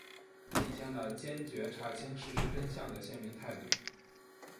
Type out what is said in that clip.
体现了坚决查清事实真相的鲜明态度